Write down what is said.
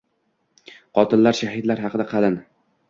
Qotillar shahidlar haqida qalin